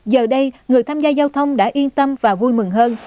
giờ đây người tham gia giao thông đã yên tâm và vui mừng hơn